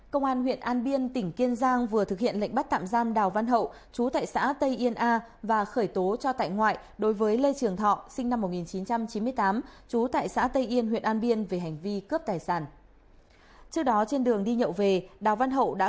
các bạn hãy đăng ký kênh để ủng hộ kênh của chúng mình nhé